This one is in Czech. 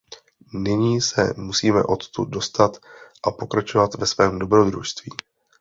Nyní se musí odtud dostat a pokračovat ve svém dobrodružství.